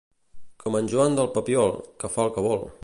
Com en Joan del Papiol, que fa el que vol.